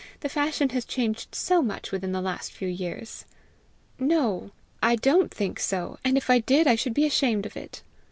The fashion has changed so much within the last few years!" "No, I don't think so; and if I did I should be ashamed of it.